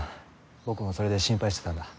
僕もそれで心配してたんだ。